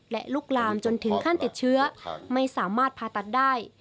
และลุกลามจนถึงขั้นติดเชื้อไม่สามารถผ่าตัดได้